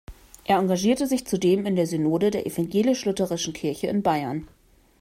Er engagierte sich zudem in der Synode der Evangelisch-Lutherischen Kirche in Bayern.